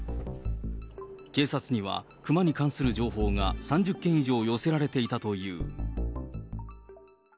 警察には、熊に関する情報が３０件以上寄せられていたという。